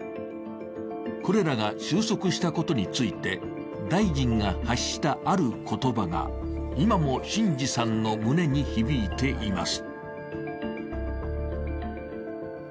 コレラが終息したことについて、大臣が発したある言葉が今も進士さんの胸に響いています。